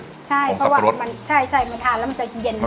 ใช่เพราะว่ามันใช่มันทานแล้วมันจะเย็น